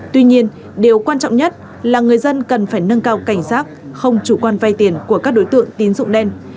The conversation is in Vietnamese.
tuy nhiên điều quan trọng nhất là người dân cần phải nâng cao cảnh giác không chủ quan vay tiền của các đối tượng tín dụng đen